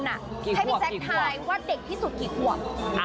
ให้พี่แจ๊คทายว่าเด็กที่สุดกี่ขวบ